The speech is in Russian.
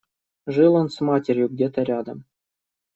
Жил он с матерью где-то рядом.